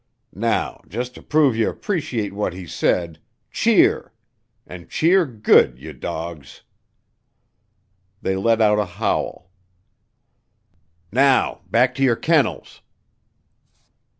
Now, jus' ter prove ye appreciate what he said, cheer. An' cheer good, ye dogs." They let out a howl. "Now back to yer kennels!"